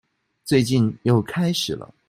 最近又開始了